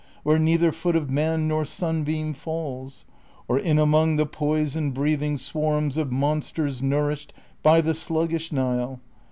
Where neither foot of man nor sunbeam falls ; Or in among the poison breathing swarms Of monsters nourished by the sluggish Nile.